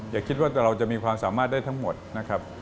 อย่าคิดว่าเราจะมีความสามารถได้ทั้งหมดนะครับ